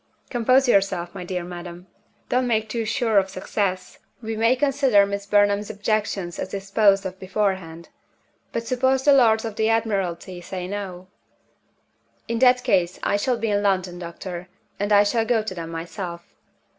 "Compose yourself, my dear madam. Don't make too sure of success. We may consider Miss Burnham's objections as disposed of beforehand. But suppose the Lords of the Admiralty say No?" "In that case, I shall be in London, doctor; and I shall go to them myself.